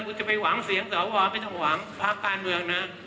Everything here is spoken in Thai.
คุณจะไปหวังเสียงสวไม่ต้องหวังภาคการเมืองนะ